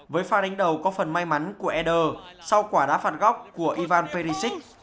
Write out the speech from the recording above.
với pha đánh đầu có phần may mắn của eder sau quả đá phạt góc của ivan ferricic